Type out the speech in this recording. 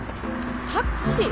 タクシー？